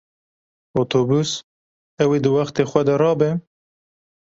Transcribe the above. Otobus ew ê di wextê xwe de rabe?